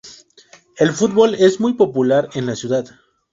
El fútbol es muy popular en la ciudad.